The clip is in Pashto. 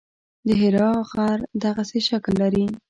د حرا غر دغسې شکل لري.